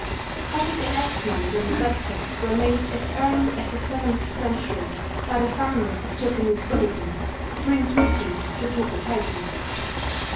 Public enactments on the subject were made as early as the seventh century by the founder of Japanese Buddhism, the prince regent, Shotoku Taishi.